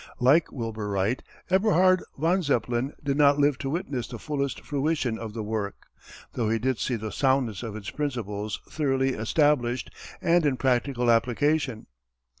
Like Wilbur Wright, Eberhard von Zeppelin did not live to witness the fullest fruition of the work, though he did see the soundness of its principles thoroughly established and in practical application.